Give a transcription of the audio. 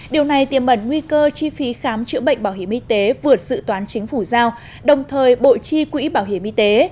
điều này tiềm mẩn nguy cơ chi phí khám chữa bệnh bảo hiểm y tế vượt sự toán chính phủ giao đồng thời bộ chi quỹ bảo hiểm y tế